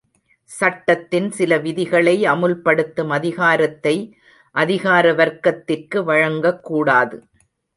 சட்டத்தின் சில விதிகளை அமுல்படுத்தும் அதிகாரத்தை அதிகாரவர்க்கத்திற்கு வழங்கக்கூடாது.